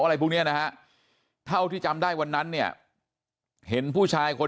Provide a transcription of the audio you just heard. อะไรพวกนี้นะฮะเท่าที่จำได้วันนั้นเนี่ยเห็นผู้ชายคน